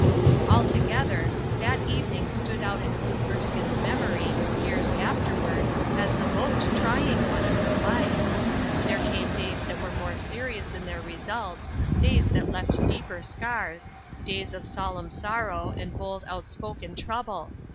Altogether, that evening stood out in Ruth Erskine's memory, years afterward, as the most trying one of her life. There came days that were more serious in their results — days that left deeper scars — days of solemn sorrow, and 22 Ruth Ershine's Crossei. bold, outspoken trouble.